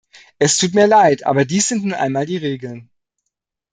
Es tut mir leid, aber dies sind nun einmal die Regeln.